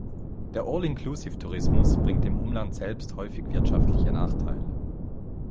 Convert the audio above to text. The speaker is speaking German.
Der All-inclusive-Tourismus bringt dem Umland selbst häufig wirtschaftliche Nachteile.